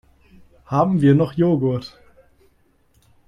Haben wir noch Joghurt?